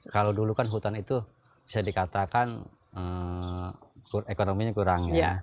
kalau dulu kan hutan itu bisa dikatakan ekonominya kurang